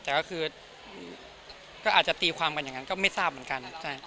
แต่ก็คือก็อาจจะตีความกันอย่างนั้นก็ไม่ทราบเหมือนกัน